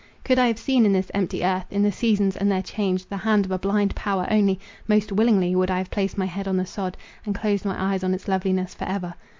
Could I have seen in this empty earth, in the seasons and their change, the hand of a blind power only, most willingly would I have placed my head on the sod, and closed my eyes on its loveliness for ever.